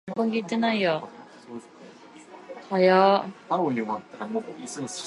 "Ever" is used to emphasize that it was the first time it had happened.